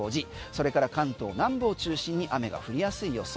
それから関東南部を中心に雨が降りやすい予想。